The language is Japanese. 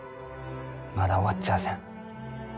まだ終わっちゃあせん。